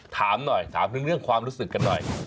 ถามหน่อยถามถึงเรื่องความรู้สึกกันหน่อย